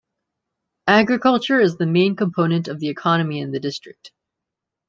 Agriculture is the main component of the economy in the district.